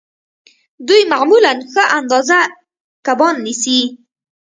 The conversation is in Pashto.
دوی معمولاً ښه اندازه کبان نیسي